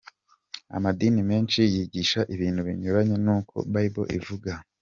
Amadini menshi yigisha ibintu binyuranye nuko bible ivuga.